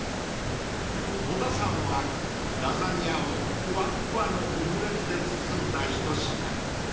［野田さんはラザニアをふわっふわのオムレツで包んだ一品］